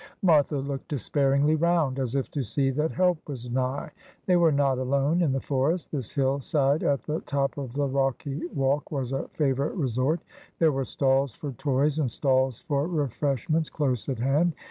Martha looked despairingly round, as if to see that help was nigh. They were not alone in the forest. This hill side at the top of the rocky walk was a favourite resort. There were stalls for toys and stalls for refreshments close at hand.